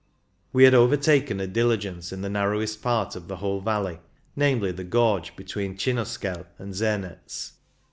We had overtaken a diligence in the narrowest part of the whole valley, namely, the gorge be tween Cinuskel and Zemetz.